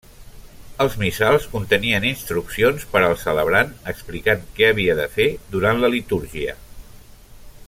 Els missals contenien instruccions per al celebrant explicant què havia de fer durant la litúrgia.